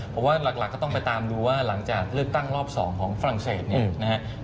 เพราะว่าหลักก็ต้องไปตามดูว่าหลังจากเลือกตั้งรอบ๒ของฝรั่งเศสเนี่ยนะครับ